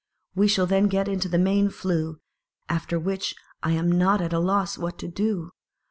We shall then get into the main flue, after which I am not at a loss what to do.